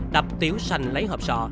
đập tiểu xanh lấy hộp sọ